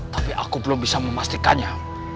tapi aku belum bisa memastikannya